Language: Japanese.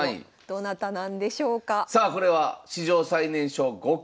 どなたなんでしょうか？